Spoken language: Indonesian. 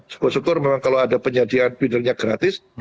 syukur syukur memang kalau ada penyajian feedernya gratis